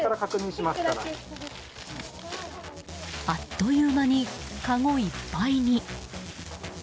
あっという間にかごいっぱいに。